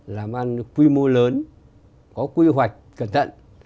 làm ăn quy mô lớn có quy hoạch cẩn thận